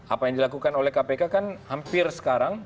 apa yang dilakukan oleh kpk kan hampir sekarang